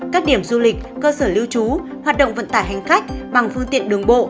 các điểm du lịch cơ sở lưu trú hoạt động vận tải hành khách bằng phương tiện đường bộ